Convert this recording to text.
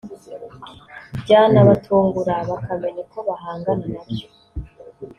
byanabatungura bakamenya uko bahangana nabyo